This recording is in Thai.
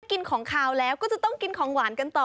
กินของขาวแล้วก็จะต้องกินของหวานกันต่อ